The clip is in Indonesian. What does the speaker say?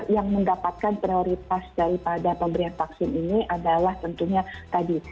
yang mendapatkan prioritas daripada pemberian vaksin ini adalah tentunya tadi